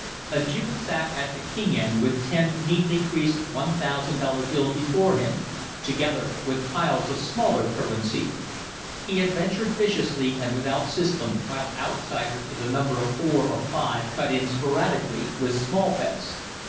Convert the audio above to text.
A Jew sat at the king end with ten neatly creased one thousand dollar bills before him, together with piles of smaller currency. He adventured viciously and without system, while outsiders to the number of four or five cut in sporadically with small bets.